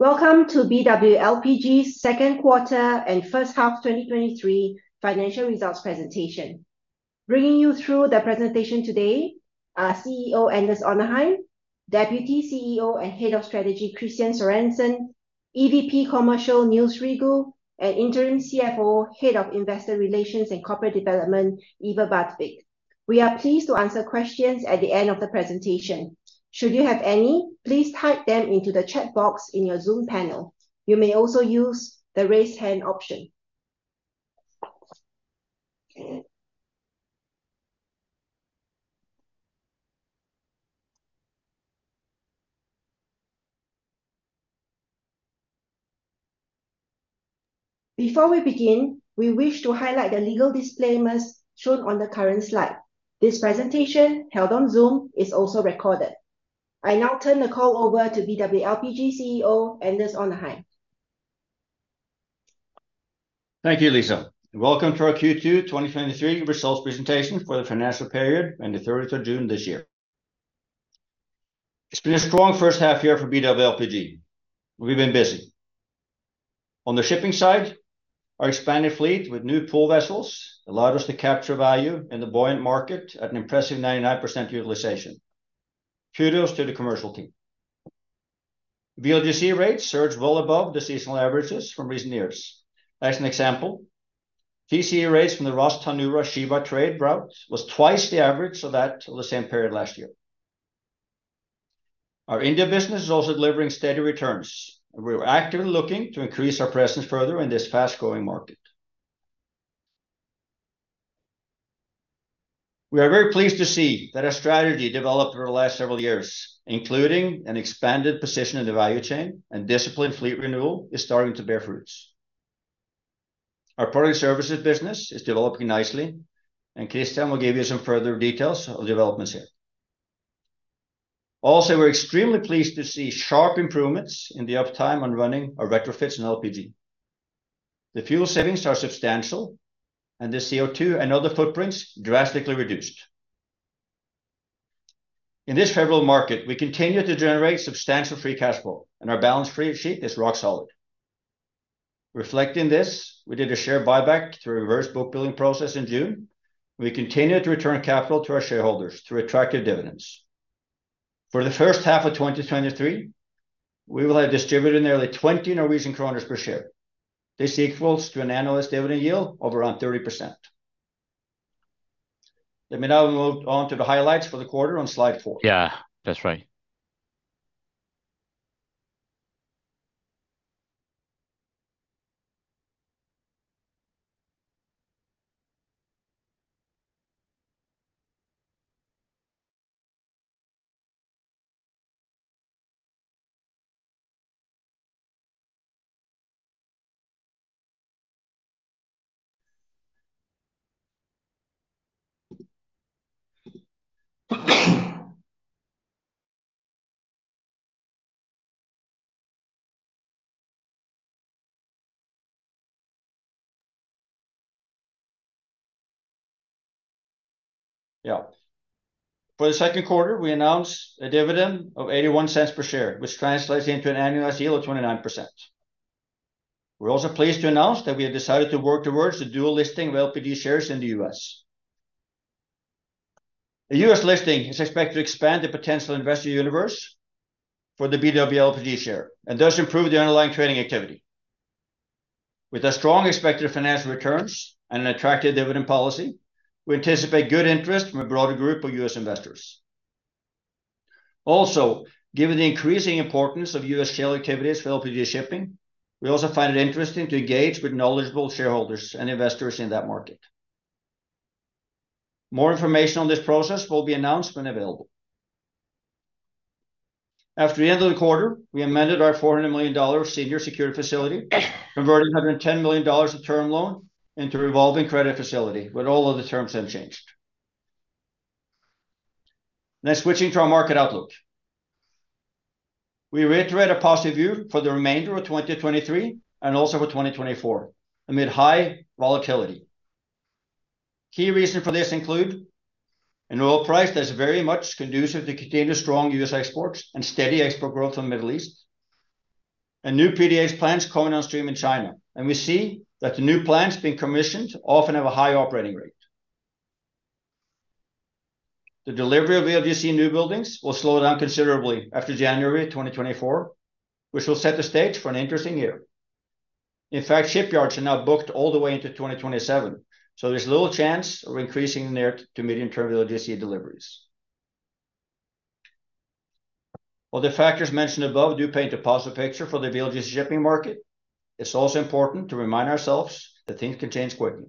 Welcome to BW LPG's second quarter and first half 2023 financial results presentation. Bringing you through the presentation today are CEO, Anders Onarheim; Deputy CEO and Head of Strategy, Kristian Sørensen; EVP Commercial, Niels Rigault; and Interim CFO, Head of Investor Relations and Corporate Development, Iver Baatvik. We are pleased to answer questions at the end of the presentation. Should you have any, please type them into the chat box in your Zoom panel. You may also use the raise hand option. Before we begin, we wish to highlight the legal disclaimers shown on the current slide. This presentation, held on Zoom, is also recorded. I now turn the call over to BW LPG CEO, Anders Onarheim. Thank you, Lisa, and welcome to our Q2 2023 results presentation for the financial period ending 30 June this year. It's been a strong first half year for BW LPG. We've been busy. On the shipping side, our expanded fleet with new pool vessels allowed us to capture value in the buoyant market at an impressive 99% utilization. Kudos to the commercial team. VLGC rates surged well above the seasonal averages from recent years. As an example, TC rates from the Ras Tanura-Chiba trade route was twice the average of that of the same period last year. Our India business is also delivering steady returns. We are actively looking to increase our presence further in this fast-growing market. We are very pleased to see that our strategy developed over the last several years, including an expanded position in the value chain and disciplined fleet renewal, is starting to bear fruits. Our product services business is developing nicely, and Kristian will give you some further details on developments here. Also, we're extremely pleased to see sharp improvements in the uptime on running our retrofits and LPG. The fuel savings are substantial, and the CO2 and other footprints drastically reduced. In this favorable market, we continue to generate substantial free cash flow, and our balance sheet is rock solid. Reflecting this, we did a share buyback through a reverse book building process in June. We continue to return capital to our shareholders through attractive dividends. For the first half of 2023, we will have distributed nearly 20 Norwegian kroner per share. This equals to an analyst dividend yield of around 30%. Let me now move on to the highlights for the quarter on slide four. Yeah, that's right. Yeah. For the second quarter, we announced a dividend of $0.81 per share, which translates into an annualized yield of 29%. We're also pleased to announce that we have decided to work towards the dual listing of BW LPG shares in the US. A US listing is expected to expand the potential investor universe for the BW LPG share, and thus improve the underlying trading activity. With a strong expected financial returns and an attractive dividend policy, we anticipate good interest from a broader group of US investors. Also, given the increasing importance of US shale activities for LPG shipping, we also find it interesting to engage with knowledgeable shareholders and investors in that market. More information on this process will be announced when available. After the end of the quarter, we amended our $400 million senior secured facility, converting $110 million of term loan into a revolving credit facility, with all other terms unchanged. Now, switching to our market outlook. We reiterate a positive view for the remainder of 2023, and also for 2024, amid high volatility. Key reasons for this include an oil price that's very much conducive to continued strong U.S. exports and steady export growth from the Middle East, and new PDH plants coming on stream in China, and we see that the new plants being commissioned often have a high operating rate. The delivery of VLGC new buildings will slow down considerably after January 2024, which will set the stage for an interesting year. In fact, shipyards are now booked all the way into 2027, so there's little chance of increasing their near- to medium-term VLGC deliveries. While the factors mentioned above do paint a positive picture for the VLGC shipping market, it's also important to remind ourselves that things can change quickly.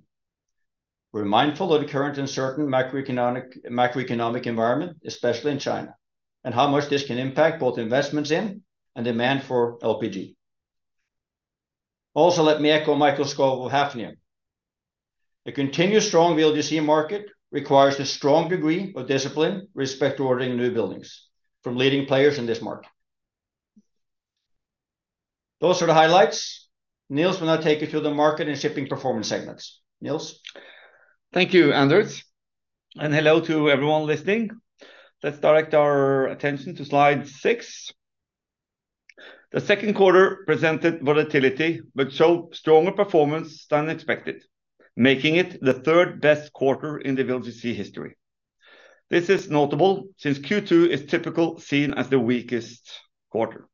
We're mindful of the current uncertain macroeconomic environment, especially in China, and how much this can impact both investments in and demand for LPG. Also, let me echo Mikael Skov of Hafnia. "A continued strong VLGC market requires a strong degree of discipline with respect to ordering new buildings from leading players in this market. Those are the highlights. Niels will now take you through the market and shipping performance segments. Niels? Thank you, Anders, and hello to everyone listening. Let's direct our attention to slide 6. The second quarter presented volatility, but showed stronger performance than expected, making it the third best quarter in the VLGC history. This is notable since Q2 is typical, seen as the weakest quarter.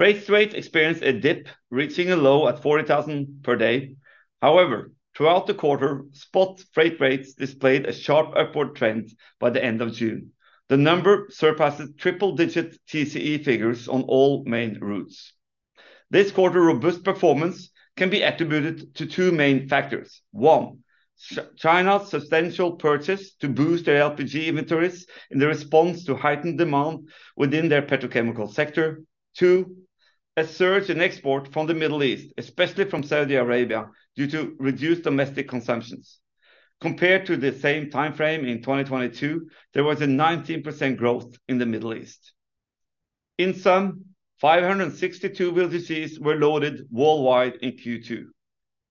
Freight rate experienced a dip, reaching a low at $40,000 per day. However, throughout the quarter, spot freight rates displayed a sharp upward trend by the end of June. The number surpasses triple-digit TCE figures on all main routes. This quarter, robust performance can be attributed to two main factors: one, China's substantial purchase to boost their LPG inventories in the response to heightened demand within their petrochemical sector. Two, a surge in export from the Middle East, especially from Saudi Arabia, due to reduced domestic consumptions. Compared to the same time frame in 2022, there was a 19% growth in the Middle East. In sum, 562 VLGCs were loaded worldwide in Q2,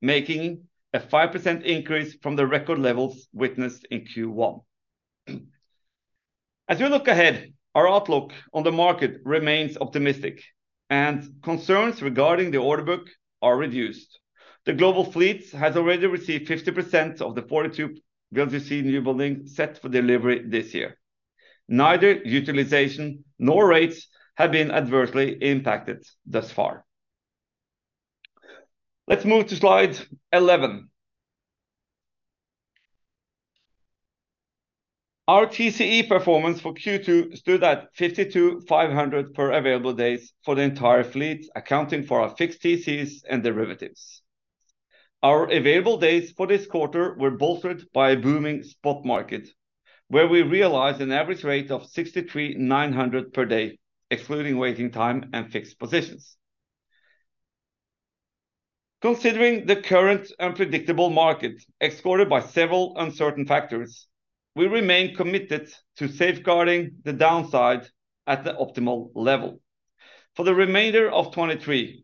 making a 5% increase from the record levels witnessed in Q1. As we look ahead, our outlook on the market remains optimistic, and concerns regarding the order book are reduced. The global fleet has already received 50% of the 42 VLGC new building set for delivery this year. Neither utilization nor rates have been adversely impacted thus far. Let's move to slide 11. Our TCE performance for Q2 stood at $52,500 per available days for the entire fleet, accounting for our fixed TC and derivatives. Our available days for this quarter were bolstered by a booming spot market, where we realized an average rate of $63,900 per day, excluding waiting time and fixed positions. Considering the current unpredictable market, escorted by several uncertain factors, we remain committed to safeguarding the downside at the optimal level. For the remainder of 2023,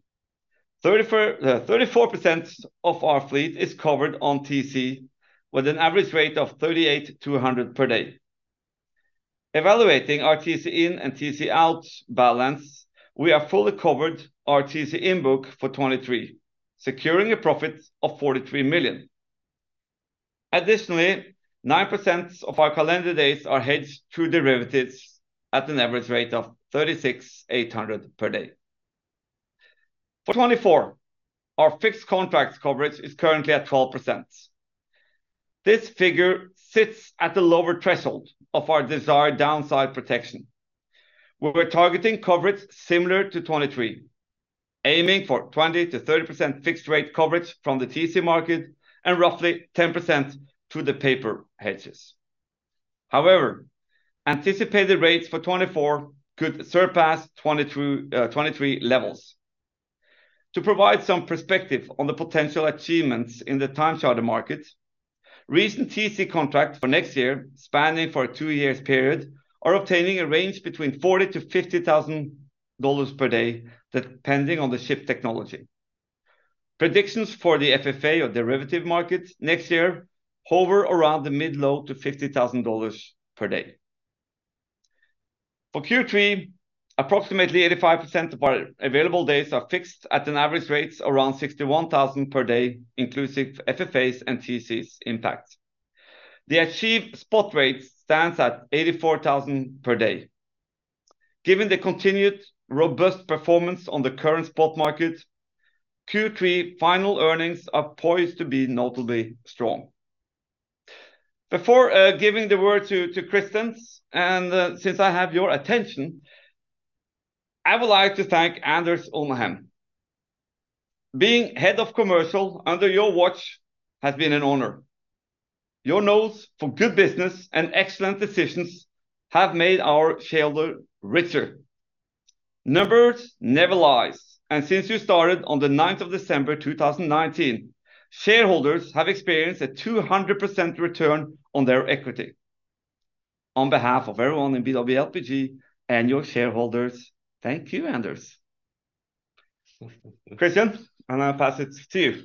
34% of our fleet is covered on TC, with an average rate of $38,200 per day. Evaluating our TC IN and TC OUT balance, we are fully covered our TC IN book for 2023, securing a profit of $43 million. Additionally, 9% of our calendar days are hedged through derivatives at an average rate of $36,800 per day. For 2024, our fixed contract coverage is currently at 12%. This figure sits at the lower threshold of our desired downside protection. We were targeting coverage similar to 2023, aiming for 20%-30% fixed rate coverage from the TC market and roughly 10% through the paper hedges. However, anticipated rates for 2024 could surpass 2022, 2023 levels. To provide some perspective on the potential achievements in the time charter market, recent TC contracts for next year, spanning for a two years period, are obtaining a range between $40,000-$50,000 per day, depending on the ship technology. Predictions for the FFA or derivative market next year hover around the mid-low to $50,000 per day. For Q3, approximately 85% of our available days are fixed at an average rates around $61,000 per day, inclusive FFAs and TC's impact. The achieved spot rate stands at $84,000 per day. Given the continued robust performance on the current spot market, Q3 final earnings are poised to be notably strong. Before giving the word to Kristian, and since I have your attention, I would like to thank Anders Onarheim. Being head of commercial under your watch has been an honor. Your nose for good business and excellent decisions have made our shareholder richer. Numbers never lies, and since you started on the ninth of December, 2019, shareholders have experienced a 200% return on their equity. On behalf of everyone in BW LPG and your shareholders, thank you, Anders. Kristian, I now pass it to you.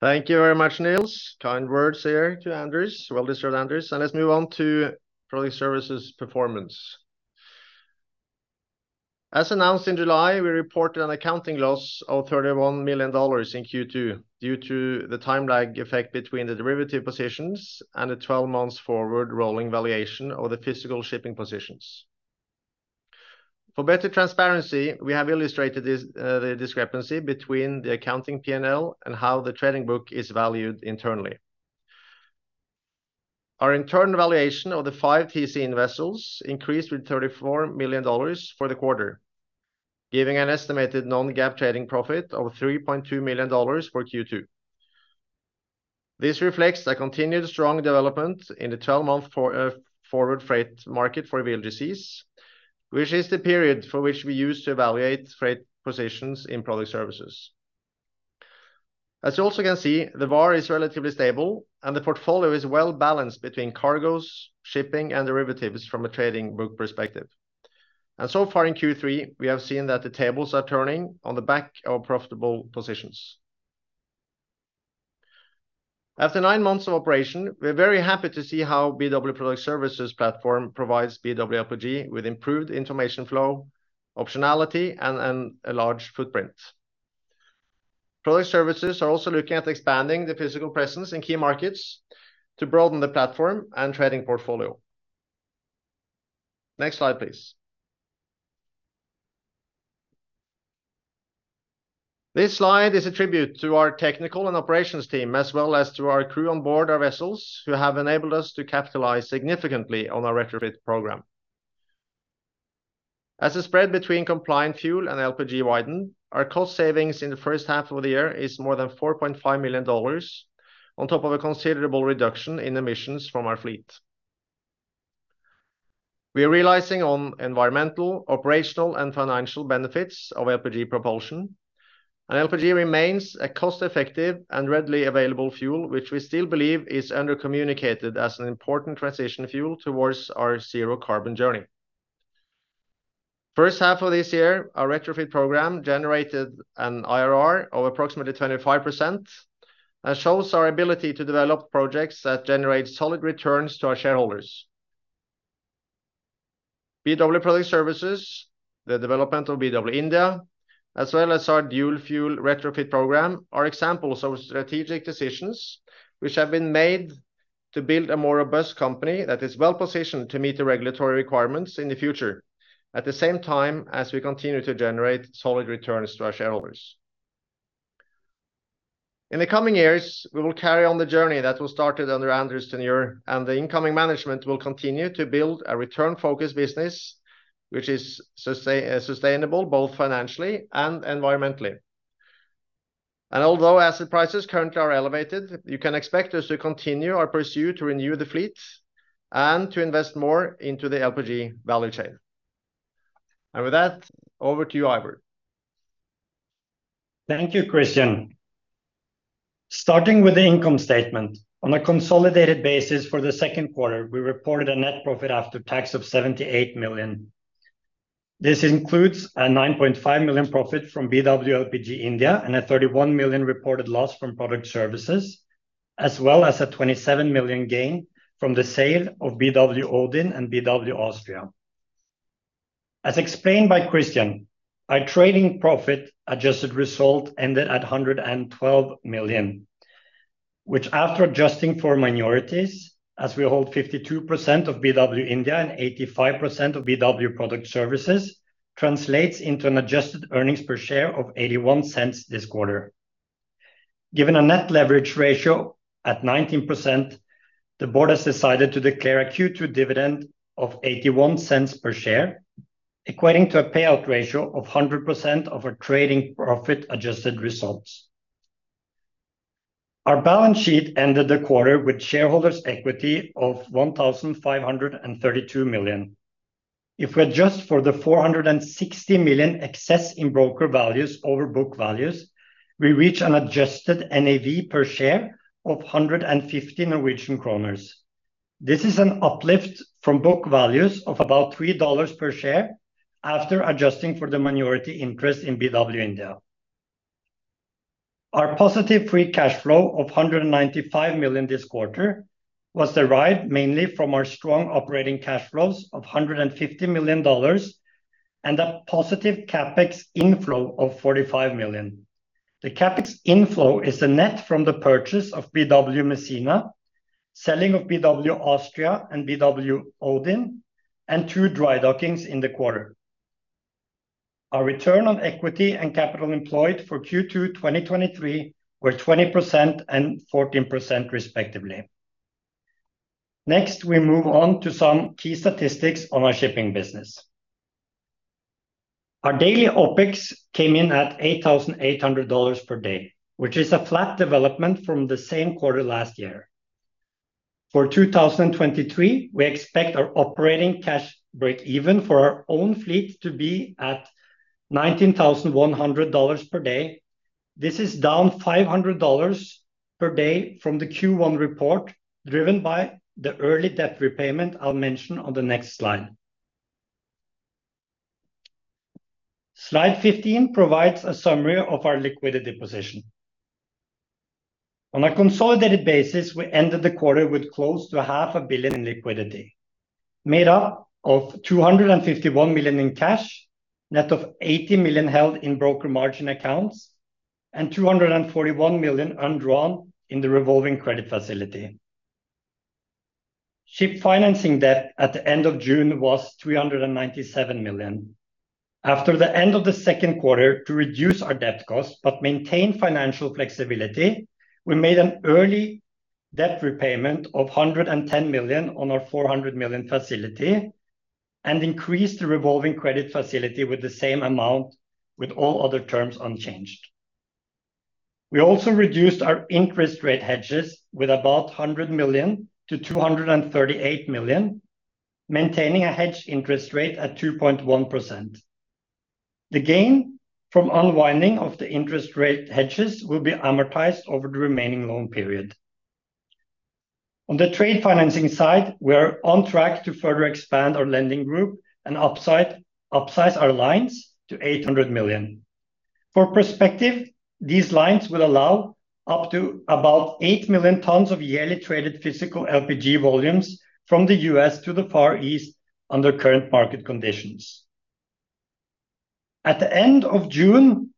Thank you very much, Niels. Kind words here to Anders. Well deserved, Anders. Let's move on to Product Services performance. As announced in July, we reported an accounting loss of $31 million in Q2 due to the time lag effect between the derivative positions and the 12 months forward rolling valuation of the physical shipping positions. For better transparency, we have illustrated this, the discrepancy between the accounting PNL and how the trading book is valued internally. Our internal valuation of the 5 TC IN vessels increased with $34 million for the quarter, giving an estimated non-GAAP trading profit of $3.2 million for Q2. This reflects a continued strong development in the 12-month forward freight market for VLGCs, which is the period for which we use to evaluate freight positions in product services. As you also can see, the VAR is relatively stable, and the portfolio is well balanced between cargoes, shipping, and derivatives from a trading book perspective. And so far in Q3, we have seen that the tables are turning on the back of profitable positions. After nine months of operation, we're very happy to see how BW Product Services platform provides BW LPG with improved information flow, optionality, and a large footprint. Product Services are also looking at expanding the physical presence in key markets to broaden the platform and trading portfolio. Next slide, please. This slide is a tribute to our technical and operations team, as well as to our crew on board our vessels, who have enabled us to capitalize significantly on our retrofit program. As the spread between compliant fuel and LPG widen, our cost savings in the first half of the year is more than $4.5 million, on top of a considerable reduction in emissions from our fleet. We are realizing on environmental, operational, and financial benefits of LPG propulsion, and LPG remains a cost-effective and readily available fuel, which we still believe is under-communicated as an important transition fuel towards our zero carbon journey. First half of this year, our retrofit program generated an IRR of approximately 25% and shows our ability to develop projects that generate solid returns to our shareholders. BW Product Services, the development of BW India, as well as our dual fuel retrofit program, are examples of strategic decisions which have been made to build a more robust company that is well-positioned to meet the regulatory requirements in the future, at the same time as we continue to generate solid returns to our shareholders. In the coming years, we will carry on the journey that was started under Anders's tenure, and the incoming management will continue to build a return-focused business, which is sustainable, both financially and environmentally. And although asset prices currently are elevated, you can expect us to continue our pursuit to renew the fleet and to invest more into the LPG value chain. And with that, over to you, Iver. Thank you, Kristian. Starting with the income statement. On a consolidated basis for the second quarter, we reported a net profit after tax of $78 million. This includes a $9.5 million profit from BW LPG India and a $31 million reported loss from Product Services, as well as a $27 million gain from the sale of BW Odin and BW Austria. As explained by Kristian, our trading profit adjusted result ended at $112 million, which, after adjusting for minorities, as we hold 52% of BW India and 85% of BW Product Services, translates into an adjusted earnings per share of $0.81 this quarter. Given a net leverage ratio at 19%, the board has decided to declare a Q2 dividend of $0.81 per share, equating to a payout ratio of 100% of our trading profit adjusted results. Our balance sheet ended the quarter with shareholders' equity of $1,532 million. If we adjust for the $460 million excess in broker values over book values, we reach an adjusted NAV per share of 150 Norwegian kroner. This is an uplift from book values of about $3 per share after adjusting for the minority interest in BW India. Our positive free cash flow of $195 million this quarter was derived mainly from our strong operating cash flows of $150 million and a positive CapEx inflow of $45 million. The CapEx inflow is the net from the purchase of BW Messina, selling of BW Austria and BW Odin, and two dry dockings in the quarter. Our return on equity and capital employed for Q2 2023 were 20% and 14%, respectively. Next, we move on to some key statistics on our shipping business. Our daily OpEx came in at $8,800 per day, which is a flat development from the same quarter last year. For 2023, we expect our operating cash break even for our own fleet to be at $19,100 per day. This is down $500 per day from the Q1 report, driven by the early debt repayment I'll mention on the next slide. Slide 15 provides a summary of our liquidity position. On a consolidated basis, we ended the quarter with close to $500 million in liquidity, made up of $251 million in cash, net of $80 million held in broker margin accounts, and $241 million undrawn in the revolving credit facility. Ship financing debt at the end of June was $397 million. After the end of the second quarter, to reduce our debt cost but maintain financial flexibility, we made an early debt repayment of $110 million on our $400 million facility and increased the revolving credit facility with the same amount, with all other terms unchanged. We also reduced our interest rate hedges with about $100 million to $238 million, maintaining a hedged interest rate at 2.1%. The gain from unwinding of the interest rate hedges will be amortized over the remaining loan period. On the trade financing side, we are on track to further expand our lending group and upside, upsize our lines to $800 million. For perspective, these lines will allow up to about 8 million tons of yearly traded physical LPG volumes from the US to the Far East under current market conditions. At the end of June,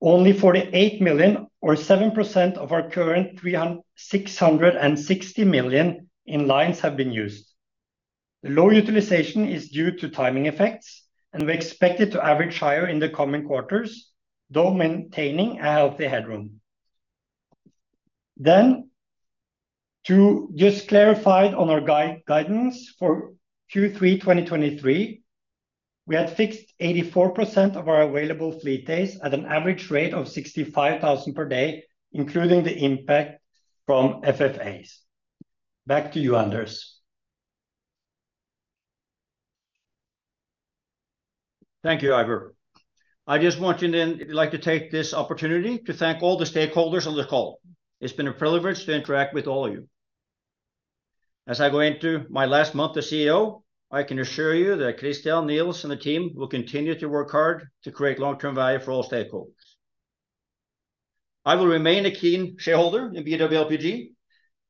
only 48 million or 7% of our current 360 million in lines have been used. The low utilization is due to timing effects, and we expect it to average higher in the coming quarters, though maintaining a healthy headroom. Then, to just clarify on our guidance for Q3 2023, we had fixed 84% of our available fleet days at an average rate of $65,000 per day, including the impact from FFAs. Back to you, Anders. Thank you, Iver. I just want to then, I'd like to take this opportunity to thank all the stakeholders on the call. It's been a privilege to interact with all of you. As I go into my last month as CEO, I can assure you that Kristian, Niels, and the team will continue to work hard to create long-term value for all stakeholders. I will remain a keen shareholder in BW LPG,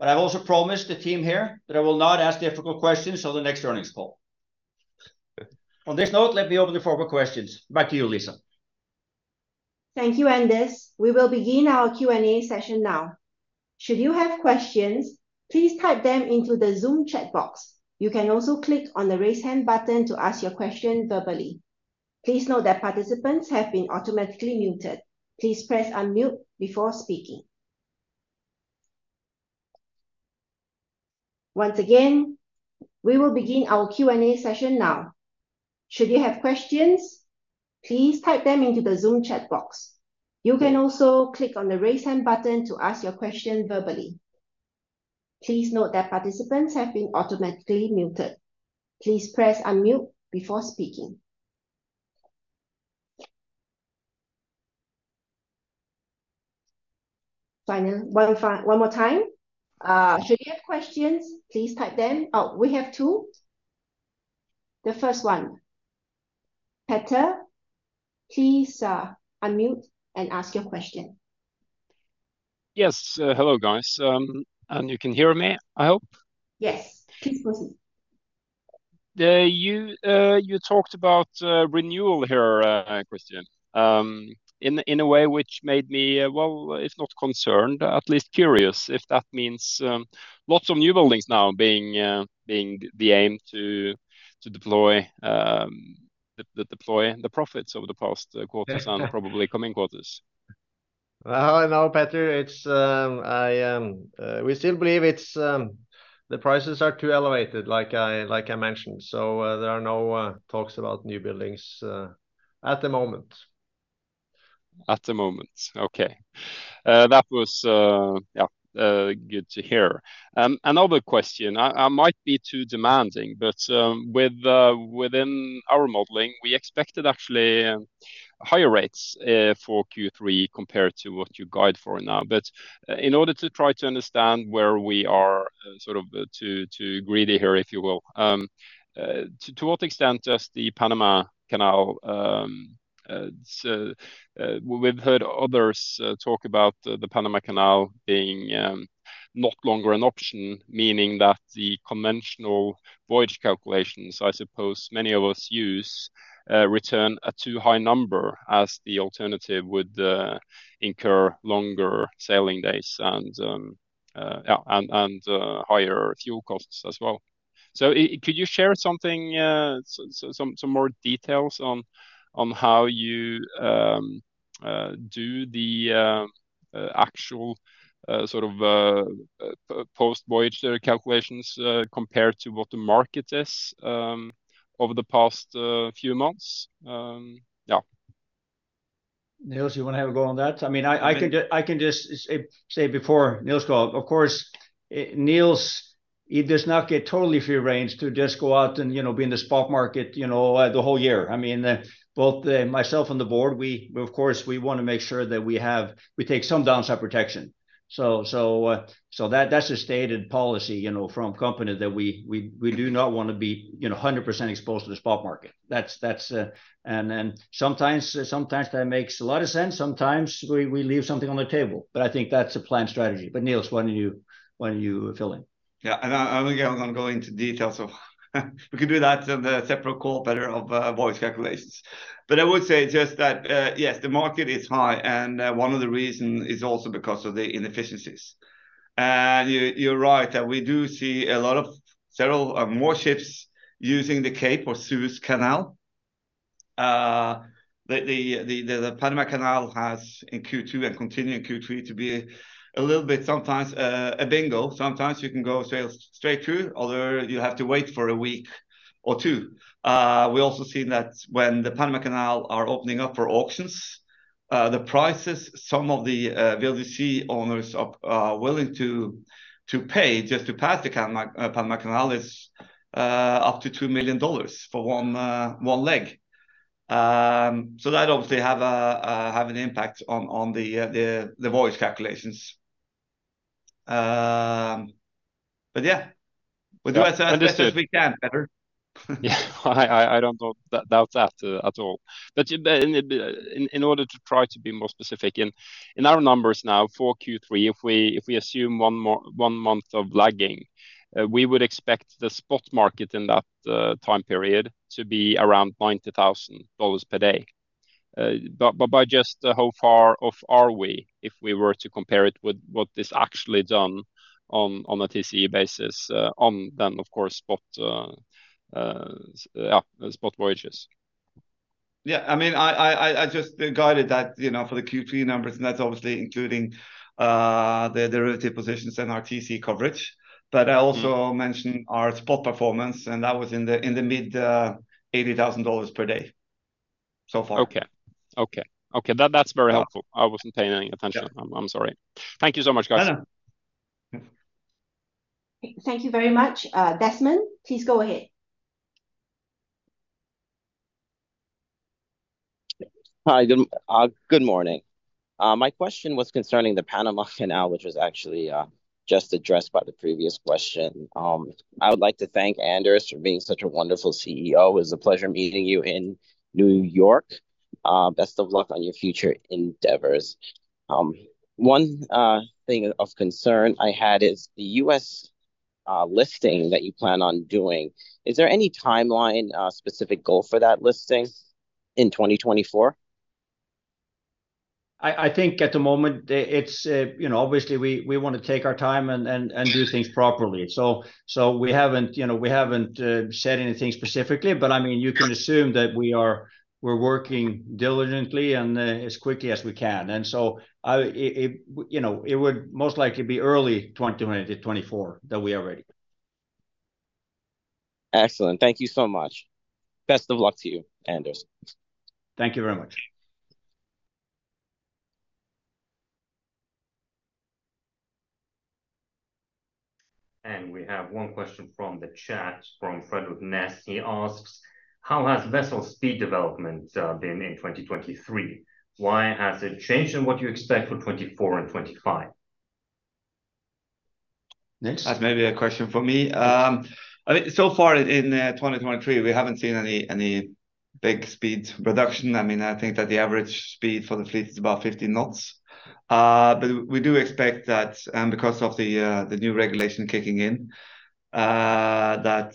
but I've also promised the team here that I will not ask the difficult questions on the next earnings call. On this note, let me open the floor for questions. Back to you, Lisa. Thank you, Anders. We will begin our Q&A session now. Should you have questions, please type them into the Zoom chat box. You can also click on the Raise Hand button to ask your question verbally. Please note that participants have been automatically muted. Please press unmute before speaking. Once again, we will begin our Q&A session now. Should you have questions, please type them into the Zoom chat box. You can also click on the Raise Hand button to ask your question verbally. Please note that participants have been automatically muted. Please press unmute before speaking. One more time, should you have questions, please type them. Oh, we have two. The first one, Petter, please, unmute and ask your question. Yes. Hello, guys, and you can hear me, I hope? Yes. Please proceed. You talked about renewal here, Kristian, in a way which made me, well, if not concerned, at least curious if that means lots of new buildings now being the aim to deploy the profits over the past quarters and probably coming quarters. No, Petter, we still believe it's the prices are too elevated, like I mentioned, so there are no talks about new buildings at the moment. At the moment. Okay. That was, yeah, good to hear. Another question, I might be too demanding, but within our modeling, we expected actually higher rates for Q3 compared to what you guide for now. But in order to try to understand where we are, sort of to agree here, if you will, to what extent does the Panama Canal, so we've heard others talk about the Panama Canal being no longer an option, meaning that the conventional voyage calculations, I suppose many of us use, return a too high number as the alternative would incur longer sailing days and, yeah, and higher fuel costs as well. Could you share something, some more details on how you do the actual sort of post-voyage calculations compared to what the market is over the past few months? Yeah. Niels, you wanna have a go on that? I mean, I can just say before Niels goes, of course, Niels, he does not get totally free rein to just go out and, you know, be in the spot market, you know, the whole year. I mean, both myself and the board, we, of course, wanna make sure that we have, we take some downside protection. So, so that, that's a stated policy, you know, from company that we do not wanna be, you know, 100% exposed to the spot market. That's, that's. And then sometimes that makes a lot of sense, sometimes we leave something on the table, but I think that's a planned strategy. But, Niels, why don't you fill in? Yeah, and I, I'm not gonna go into details of we can do that on a separate call, Petter, of voyage calculations. But I would say just that, yes, the market is high, and one of the reason is also because of the inefficiencies. And you, you're right, that we do see a lot of several more ships using the Cape or Suez Canal. The Panama Canal has, in Q2 and continuing in Q3, to be a little bit sometimes a bingo. Sometimes you can go sail straight through, other you have to wait for a week or two. We also seen that when the Panama Canal are opening up for auctions, the prices some of the VLGC owners are willing to pay just to pass the Panama Canal is up to $2 million for one leg. So that obviously have an impact on the voyage calculations. But yeah, we do as best as we can, better. Yeah. I don't doubt that at all. But in order to try to be more specific, in our numbers now for Q3, if we assume one more month of lagging, we would expect the spot market in that time period to be around $90,000 per day. But by just how far off are we, if we were to compare it with what is actually done on a TCE basis, on then, of course, spot yeah, spot voyages? Yeah. I mean, I just guided that, you know, for the Q3 numbers, and that's obviously including the relative positions and our TCE coverage. Mm. But I also mentioned our spot performance, and that was in the mid $80,000 per day so far. Okay. Okay, okay, that's very helpful. Yeah. I wasn't paying any attention. Yeah. I'm sorry. Thank you so much, guys. No, no. Thank you very much. Desmond, please go ahead. Hi, good morning. My question was concerning the Panama Canal, which was actually just addressed by the previous question. I would like to thank Anders for being such a wonderful CEO. It was a pleasure meeting you in New York. Best of luck on your future endeavors. One thing of concern I had is the US listing that you plan on doing. Is there any timeline specific goal for that listing in 2024? I think at the moment, it's, you know, obviously, we want to take our time and do things properly. So we haven't, you know, we haven't said anything specifically, but I mean, you can assume that we're working diligently and as quickly as we can. And so it, you know, it would most likely be early 2020-2024 that we are ready. Excellent. Thank you so much. Best of luck to you, Anders. Thank you very much. We have one question from the chat from Fredrik Ness. He asks: How has vessel speed development been in 2023? Why has it changed, and what do you expect for 2024 and 2025? Niels? That's maybe a question for me. I mean, so far in 2023, we haven't seen any big speed reduction. I mean, I think that the average speed for the fleet is about 15 knots. But we do expect that, because of the new regulation kicking in, that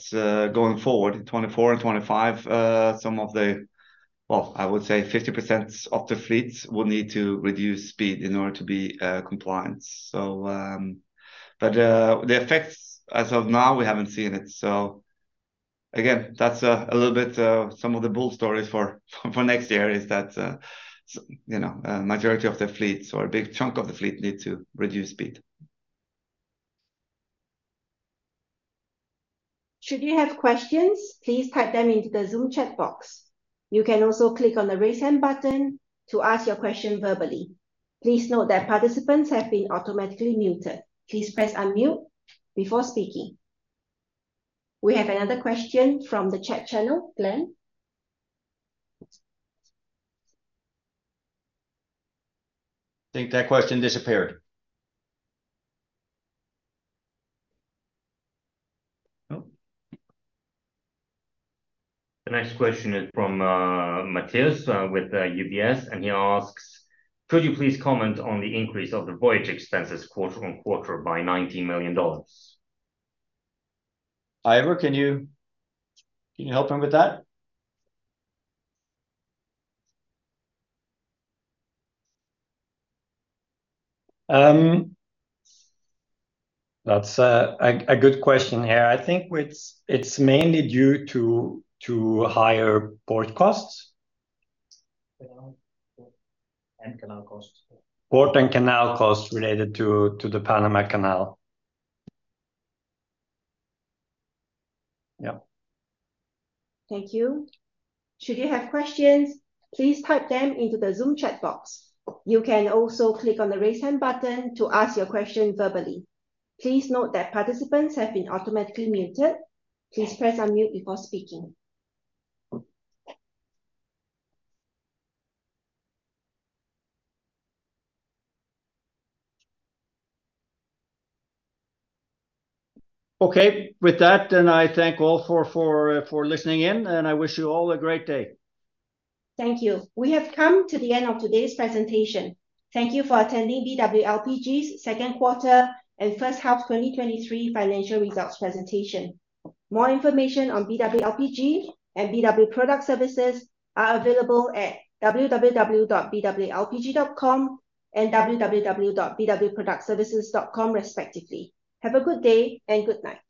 going forward, in 2024 and 2025, some of the. Well, I would say 50% of the fleets will need to reduce speed in order to be compliant. So, but the effects, as of now, we haven't seen it, so again, that's a little bit some of the bull stories for next year, is that you know, majority of the fleets or a big chunk of the fleet need to reduce speed. Should you have questions, please type them into the Zoom chat box. You can also click on the Raise Hand button to ask your question verbally. Please note that participants have been automatically muted. Please press Unmute before speaking. We have another question from the chat channel, Glenn. I think that question disappeared. Nope. The next question is from Matthias with UBS, and he asks: "Could you please comment on the increase of the voyage expenses quarter-over-quarter by $90 million? Iver, can you help him with that? That's a good question here. I think it's mainly due to higher port costs. Canal costs. Port and canal costs related to the Panama Canal. Yeah. Thank you. Should you have questions, please type them into the Zoom chat box. You can also click on the Raise Hand button to ask your question verbally. Please note that participants have been automatically muted. Please press Unmute before speaking. Okay. With that, then I thank all for listening in, and I wish you all a great day. Thank you. We have come to the end of today's presentation. Thank you for attending BW LPG's second quarter and first half 2023 financial results presentation. More information on BW LPG and BW Product Services are available at www.bwlpg.com and www.bwproductservices.com, respectively. Have a good day, and good night.